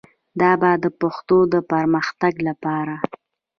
دا به د پښتو د پرمختګ لپاره